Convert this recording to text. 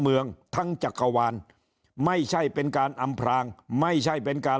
เมืองทั้งจักรวาลไม่ใช่เป็นการอำพรางไม่ใช่เป็นการ